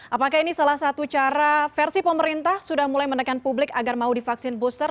apakah ini salah satu cara versi pemerintah sudah mulai menekan publik agar mau divaksin booster